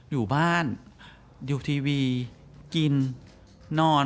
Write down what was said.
อยู่บ้านอยู่ทีวีกินนอน